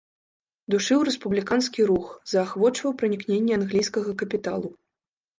Душыў рэспубліканскі рух, заахвочваў пранікненне англійскага капіталу.